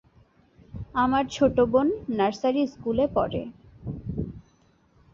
আমার ছোট বোন নার্সারি স্কুলে পড়ে।